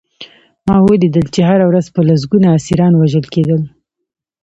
ما ولیدل چې هره ورځ به لسګونه اسیران وژل کېدل